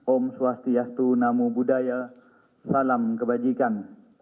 om swastiastu namo buddhaya salam kebajikan